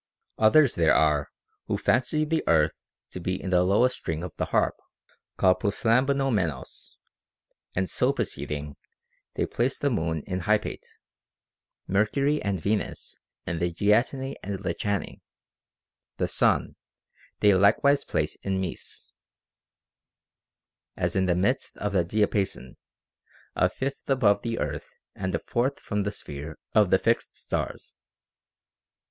Others there are, who fancy the earth to be in the low est string of the harp, called proslambanomenos ; and so proceeding, they place the moon in hypate, Mercury and Venus in the diatoni and lichani ; the sun they likewise place in mese, as in the midst of the diapason, a fifth above the earth and a fourth from the sphere of the fixed stars.